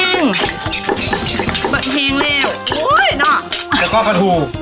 ปลดแห้งแล้วโอ้ยน่ะแล้วก็ปลาถูก